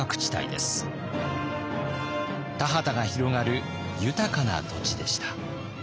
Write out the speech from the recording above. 田畑が広がる豊かな土地でした。